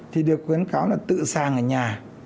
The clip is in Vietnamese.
thì được khuyến kháo là tự sàng ở nhà